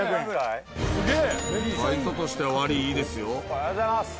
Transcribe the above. ありがとうございます。